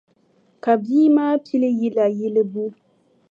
Ka bia maa pili yila yilibu.